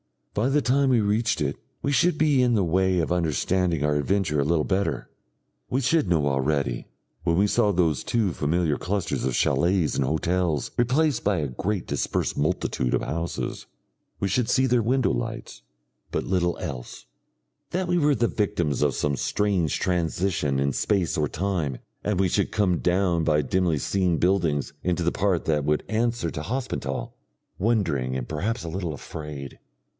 By the time we reached it, we should be in the way of understanding our adventure a little better. We should know already, when we saw those two familiar clusters of chalets and hotels replaced by a great dispersed multitude of houses we should see their window lights, but little else that we were the victims of some strange transition in space or time, and we should come down by dimly seen buildings into the part that would answer to Hospenthal, wondering and perhaps a little afraid.